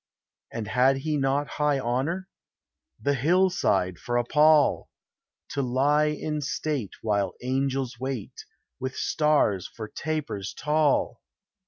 And had he not high honor? The hillside for a pall! To lie in state while angels wait, With stars for tapers tall!